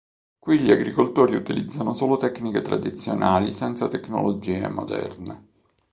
Qui gli agricoltori utilizzano solo tecniche tradizionali senza tecnologie moderne.